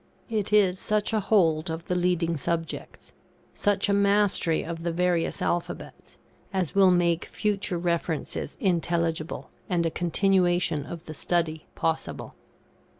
It is such a hold of the leading subjects, such a mastery of the various alphabets, as will make future references intelligible, and a continuation of the study possible.